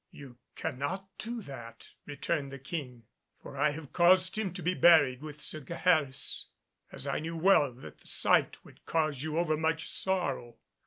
"You cannot do that," returned the King, "for I have caused him to be buried with Sir Gaheris, as I knew well that the sight would cause you overmuch sorrow."